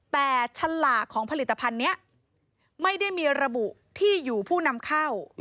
แต่ฉลากของผลิตภัณฑ์นี้ไม่ได้มีระบุที่อยู่ผู้นำเข้า